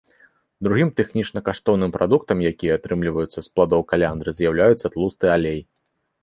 Другім тэхнічна каштоўным прадуктам, якія атрымліваюцца з пладоў каляндры, з'яўляецца тлусты алей.